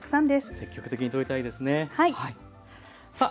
積極的にとりたいですね。